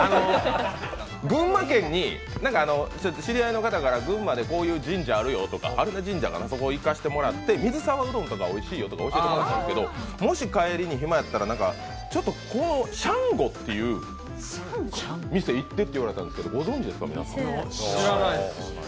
群馬県に知り合いの方から、こういう神社があるよと教えてもらって榛名神社とか行かせてもらって、水沢うどんとかおいしいよって教えてもらったんですけど、もし、帰りに暇やったらシャンゴっていう店、行ってって言われたんですけどご存じですか、皆さん。